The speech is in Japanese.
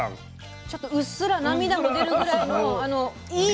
ちょっとうっすら涙が出るぐらいのあのいい。